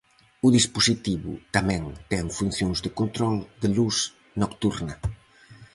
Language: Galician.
O dispositivo tamén ten funcións de control de luz nocturna.